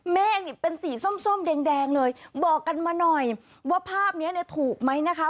เมฆนี่เป็นสีส้มแดงเลยบอกกันมาหน่อยว่าภาพนี้เนี่ยถูกไหมนะคะ